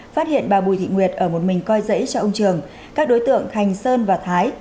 phát hiện bà bùi thị nguyệt ở một mình coi dãy cho ông trường các đối tượng thành sơn và thái